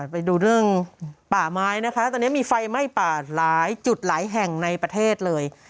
ไปดูเรื่องป่าไม้นะคะตอนนี้มีไฟไหม้ป่าหลายจุดหลายแห่งในประเทศเลย